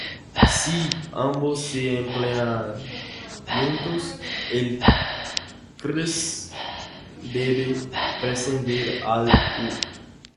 Si ambos se emplean juntos, el 'crs' debe preceder al 'u'.